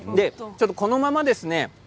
このままです。